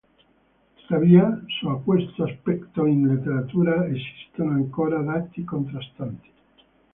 Tuttavia su questo aspetto in letteratura esistono ancora dati contrastanti.